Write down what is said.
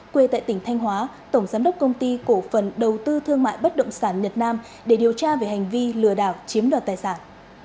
quê tại tỉnh thanh hóa tổng giám đốc công ty cổ phần đầu tư thương mại bất động sản nhật nam để điều tra về hành vi lừa đảo chiếm đoạt tài sản